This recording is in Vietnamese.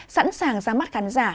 sẵn sàng ra mắt khán giả